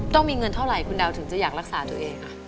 ต้องมีเงินเท่าไหร่คุณดาวถึงจะอยากรักษาตัวเอง